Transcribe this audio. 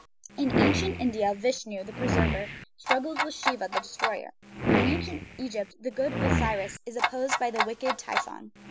In ancient India Vishnu, the preserver, struggles with Shiva, the destroyer. In ancient Egypt the good Osiris is opposed by the wicked Typhon.